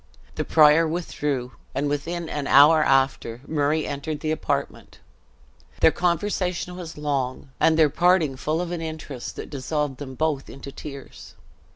The prior withdrew, and within an hour after, Murray entered the apartment. Their conversation was long, and their parting full of an interest that dissolved them both into tears.